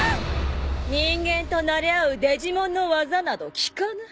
人間となれ合うデジモンの技など効かぬ。